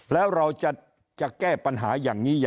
แล้วเราจะแก้ปัญหาอย่างนี้